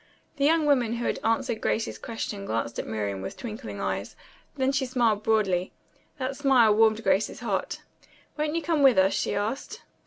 The young woman who had answered Grace's question glanced at Miriam with twinkling eyes. Then she smiled broadly. That smile warmed Grace's heart. "Won't you come with us?" she asked.